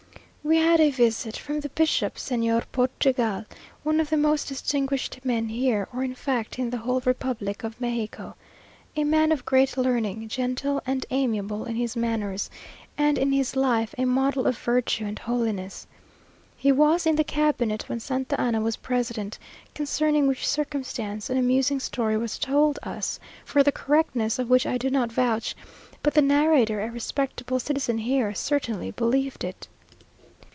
We had a visit from the bishop, Señor Portugal, one of the most distinguished men here, or in fact in the whole republic of Mexico, a man of great learning, gentle and amiable in his manners, and in his life a model of virtue and holiness. He was in the cabinet when Santa Anna was president, concerning which circumstance an amusing story was told us, for the correctness of which I do not vouch, but the narrator, a respectable citizen here, certainly believed it.